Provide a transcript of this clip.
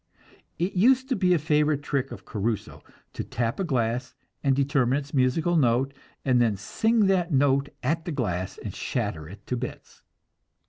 It used to be a favorite trick of Caruso to tap a glass and determine its musical note, and then sing that note at the glass and shatter it to bits.